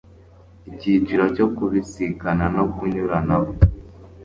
icyiciro cyo kubisikana no kunyuranaho